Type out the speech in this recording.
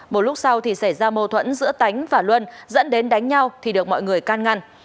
một lúc sau thì xảy ra mâu thuẫn giữa tánh và luân dẫn đến đánh nhau thì được mọi người can ngăn